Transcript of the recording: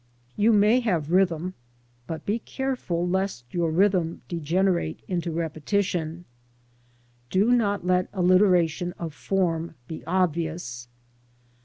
You may have rh)rthm, but be careful lest your rhythm degenerate into repetition. Do not let alliteration of form be obvious.